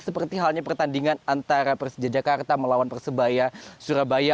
seperti halnya pertandingan antara persija jakarta melawan persebaya surabaya